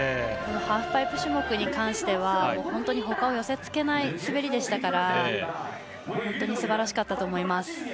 ハーフパイプ種目に関しては本当にほかを寄せつけない滑りでしたから本当にすばらしかったと思います。